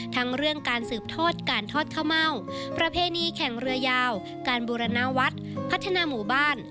ทั้งเรื่องการสืบทอดการทอดข้าวเม่าประเพณีแข่งเรือยาวการบูรณวัฒน์พัฒนาหมู่บ้าน